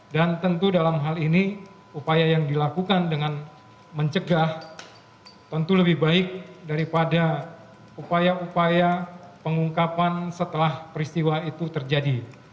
dan tentu dalam hal ini upaya yang dilakukan dengan mencegah tentu lebih baik daripada upaya upaya pengungkapan setelah peristiwa itu terjadi